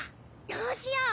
どうしよう！